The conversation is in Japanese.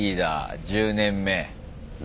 １０年目。